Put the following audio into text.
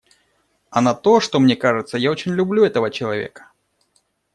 А на то, что, мне кажется, я очень люблю этого человека.